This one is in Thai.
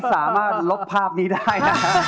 เจ็บตายอดว่าปูนี่ปี่